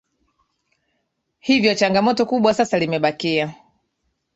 hivyo changamoto kubwa sasa limebakia